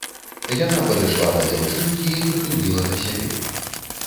Яна падышла да дзяўчынкі і прытуліла да сябе.